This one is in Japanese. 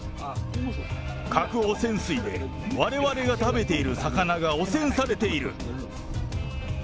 核汚染水でわれわれが食べている魚が汚染されている。